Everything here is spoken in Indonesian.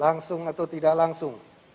langsung atau tidak langsung